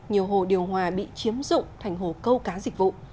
nhiều hồ điều hòa bị chiếm dụng thành hồ câu cá dịch vụ